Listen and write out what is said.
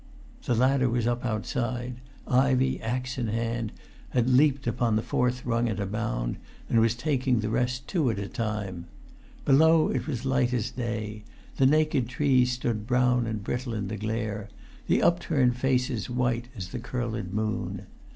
The ladder was up outside. Ivey, axe in hand, had leapt upon the fourth rung at a bound, and was taking the rest two at a time. Below it was light as day; the naked trees stood brown and brittle in the glare; the upturned faces white as the curled moon.